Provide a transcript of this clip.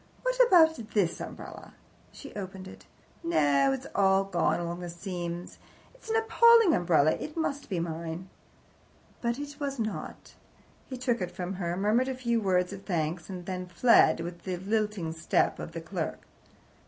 What about this umbrella?" She opened it. "No, it's all gone along the seams. It's an appalling umbrella. It must be mine." But it was not. He took it from her, murmured a few words of thanks, and then fled, with the lilting step of the clerk.